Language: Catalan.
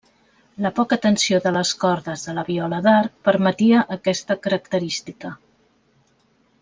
La poca tensió de les cordes de la viola d'arc permetia aquesta característica.